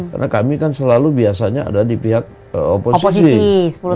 karena kami kan selalu biasanya ada di pihak oposisi